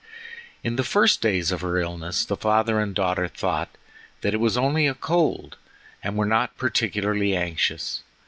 In the first days of her illness the father and daughter thought that it was only a cold, and were not particularly anxious.